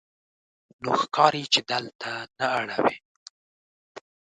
نو ښکاري چې دلته نه اړوې.